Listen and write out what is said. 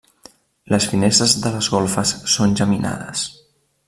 Les finestres de les golfes són geminades.